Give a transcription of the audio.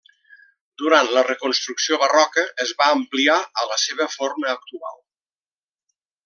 Durant la reconstrucció barroca es va ampliar a la seva forma actual.